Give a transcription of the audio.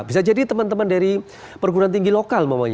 bisa jadi teman teman dari perguruan tinggi lokal